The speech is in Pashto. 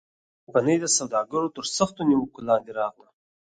کمپنۍ د سوداګرو تر سختو نیوکو لاندې راغله.